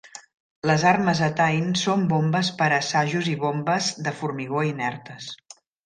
Les armes a Tain són bombes per a assajos i bombes de formigó inertes.